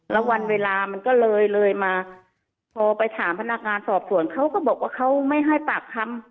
แล้ววันเวลามันก็เลยเลยมาพอไปถามพนักงานสอบสวนเขาก็บอกว่าเขาไม่ให้ปากคำ